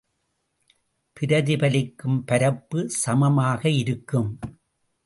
பிரதிபலிக்கும் பரப்பு சமமாக இருக்கும்.